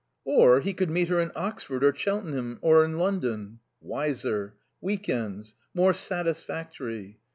Or he could meet her in Oxford or Cheltenham or in London. Wiser. Week ends. More satisfactory.